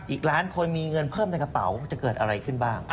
อีกล้านคนมีเงินเพิ่มในกระเป๋าจะเกิดอะไรขึ้นบ้าง